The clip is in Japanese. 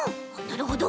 なるほど！